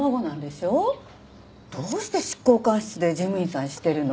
どうして執行官室で事務員さんしているの？